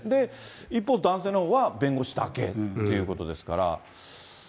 一方、男性のほうは弁護士だけということですから。